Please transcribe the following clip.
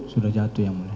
sudah jatuh ya mulia